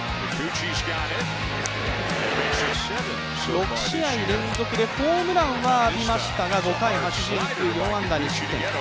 ６試合連続でホームランはありましたが、５回、８２球、４安打２失点。